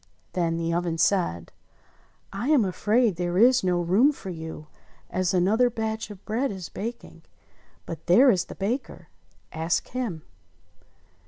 Then the oven said, "I am afaid there is no room for you, as another batch of bread is baking ; but there is the baker — ask him."